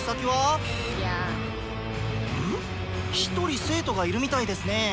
⁉１人生徒がいるみたいですね！